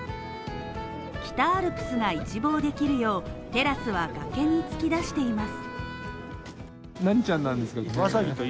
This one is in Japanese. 北アルプスが一望できるよう、テラスは崖に突き出しています。